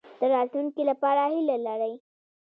د راتلونکي لپاره هیله لرئ؟